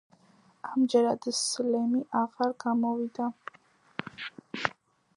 ამჯერად სლემი აღარ გამოვიდა.